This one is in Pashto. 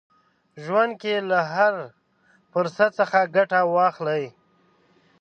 ژوند کې له هر فرصت څخه ګټه واخلئ.